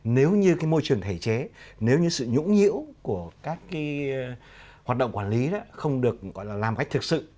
nếu như môi trường thể chế nếu như sự nhũng nhũ của các hoạt động quản lý không được gọi là làm cách thực sự